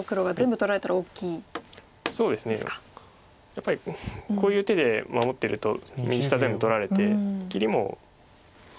やっぱりこういう手で守ってると右下全部取られて切りも。